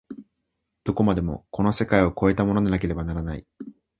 どこまでもこの世界を越えたものでなければならない。